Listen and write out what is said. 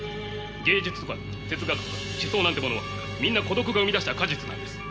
芸術とか哲学とか思想なんてものはみんな孤独が生み出した果実なんです。